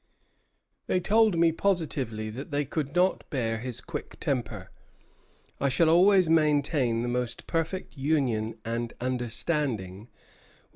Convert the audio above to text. They told me positively that they could not bear his quick temper. I shall always maintain the most perfect union and understanding with M.